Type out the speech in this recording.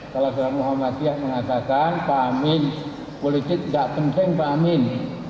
kalau seorang muhammadiyah mengatakan pak amin politik nggak penting pak amin